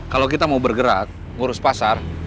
kalau kita mau bergerak ngurus pasar